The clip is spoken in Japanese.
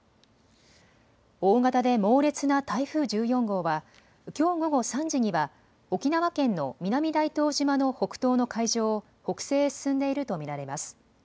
大型で猛烈な台風１４号はきょう午後３時には沖縄県の南大東島の北東の海上を北西へ進んでいると見られます。